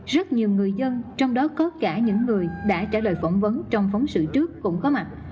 rất nhiều người dân trong đó có cả những người đã trả lời phỏng vấn trong phóng sự trước cũng có mặt